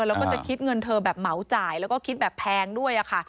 แล้วก็จะคิดเงินเธอแบบเหมาจ่ายแล้วก็คิดแบบแพงด้วยค่ะ